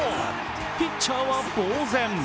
ピッチャーはぼう然。